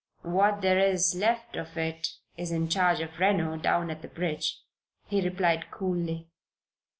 "What there is left of it is in charge of Reno down at the bridge," he replied, coolly.